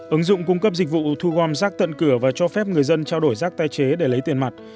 ứng dụng cung cấp dịch vụ thu gom rác tận cửa và cho phép người dân trao đổi rác tái chế để lấy tiền mặt